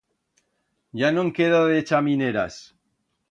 Ya no'n queda, de chamineras.